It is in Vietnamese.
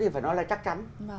phải nói là chắc chắn